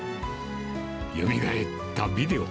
よみがえったビデオ。